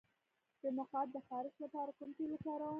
د مقعد د خارش لپاره کوم تېل وکاروم؟